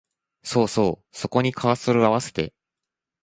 そうそう、そこにカーソルをあわせて